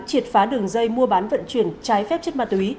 triệt phá đường dây mua bán vận chuyển trái phép chất ma túy